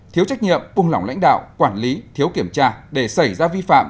thiếu trách nhiệm buông lỏng lãnh đạo quản lý thiếu kiểm tra để xảy ra vi phạm